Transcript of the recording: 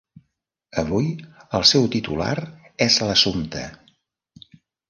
Avui el seu titular és l'Assumpta.